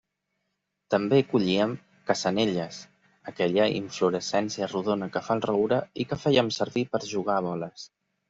També collíem cassanelles, aquella inflorescència rodona que fa el roure i que fèiem servir per a jugar a boles.